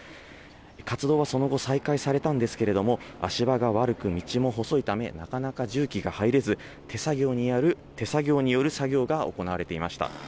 活動はその後、再開されたんですけれども、足場が悪く、道も細いため、なかなか重機が入れず、手作業による作業が行われていました。